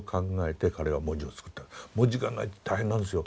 文字がないって大変なんですよ。